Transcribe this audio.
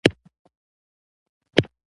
لومړی پړاو پر ختمېدلو ښکاري.